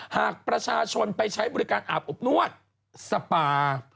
หากประชาชนไปใช้บริการอาบอบนวดสปา